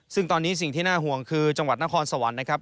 ซึ่งตอนนี้สิ่งที่น่าห่วงคือจังหวัดนครสวรรค์นะครับ